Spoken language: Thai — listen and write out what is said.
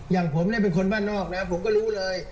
อย่างผมเนี่ยเป็นคนบ้านนอกนะผมก็รู้เลย